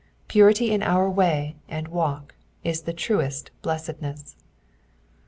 Purity in our way and walk is the truest blessedness.